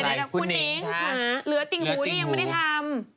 คุณนิ้งค่ะเหลือติ่งหูยังไม่ได้ทำ